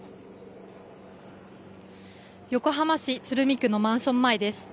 横浜市鶴見区のマンション前です。